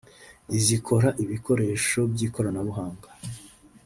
izikora ibikoresho by’ikoranabuhanga…